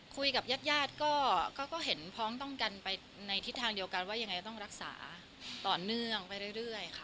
คุยกับญาติญาติก็เห็นพ้องต้องกันไปในทิศทางเดียวกันว่ายังไงต้องรักษาต่อเนื่องไปเรื่อยค่ะ